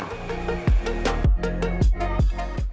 untuk mencari ikan teri yang lebih enak